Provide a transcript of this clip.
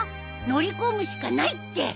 乗り込むしかないって！